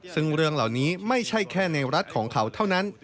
ซึ่งเรื่องเหล่านี้ไม่ใช่แค่ในรัฐของเขาเท่านั้น